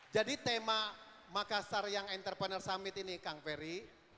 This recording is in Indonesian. jadi tema makassar young entrepreneur summit ini kang ferry